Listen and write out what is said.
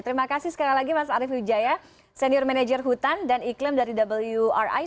terima kasih sekali lagi mas arief wijaya senior manager hutan dan iklim dari wri